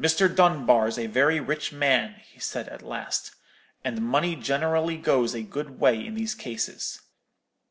"'Mr. Dunbar's a very rich man,' he said, at last; 'and money generally goes a good way in these cases.